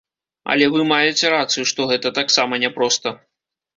Але вы маеце рацыю, што гэта таксама няпроста.